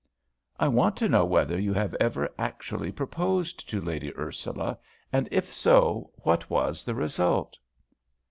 "I want to know whether you have ever actually proposed to Lady Ursula, and, if so, what was the result?"